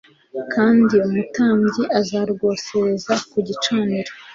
kandi umutambyi azarwosereze ku gicaniro